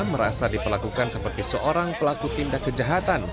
merasa diperlakukan seperti seorang pelaku tindak kejahatan